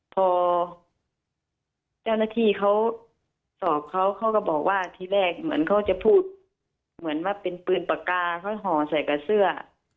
พอเจ้าหน้าที่เขาสอบเขาเขาก็บอกว่าทีแรกเหมือนเขาจะพูดเหมือนว่าเป็นปืนปากกาเขาห่อใส่กับเสื้อ